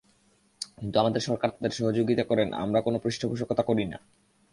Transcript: কিন্তু আমাদের সরকার তাদের সহযোগিতা করে না, আমরা কোনো পৃষ্ঠপোষকতা করি না।